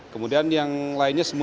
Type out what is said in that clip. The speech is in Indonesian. kemudian yang lainnya semua